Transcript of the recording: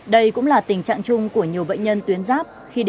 đây cũng là tình trạng chung của nhiều bệnh nhân tuyến giáp